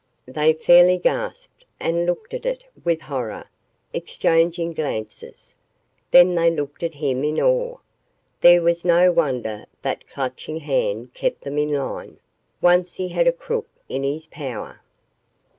They fairly gasped and looked at it with horror, exchanging glances. Then they looked at him in awe. There was no wonder that Clutching Hand kept them in line, once he had a crook in his power.